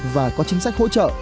và có chính sách hỗ trợ